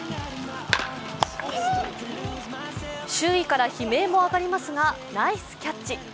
周囲からも悲鳴も上がりますが、ナイスキャッチ。